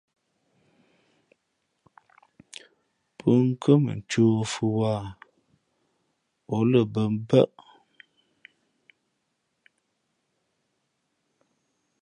Pʉ̄nkhʉ̄ᾱ mα ncēh o fʉ̄ wāha , ǒ lα bᾱ mbάʼ.